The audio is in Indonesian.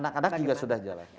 anak anak juga sudah jalan